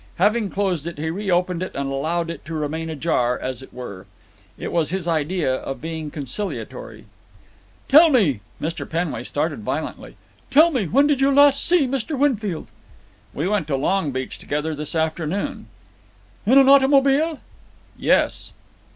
Having closed it, he reopened it and allowed it to remain ajar, as it were. It was his idea of being conciliatory. "Tell me." Mr. Penway started violently. "Tell me, when did you last see Mr. Winfield?" "We went to Long Beach together this afternoon." "In an automobile?" "Yes."